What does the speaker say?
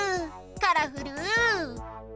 カラフル！